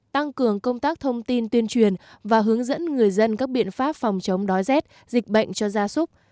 tăng cường công tác thông tin tuyên truyền và hướng dẫn người dân các biện pháp phòng chống đói rét dịch bệnh cho gia súc